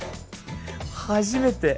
初めて。